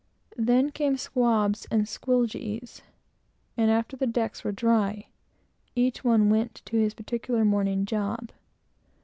Then came swabs and squilgees; and after the decks were dry, each one went to his particular morning job.